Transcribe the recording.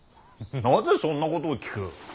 なぜそんなことを聞く。